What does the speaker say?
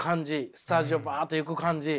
スタジオバッて行く感じ。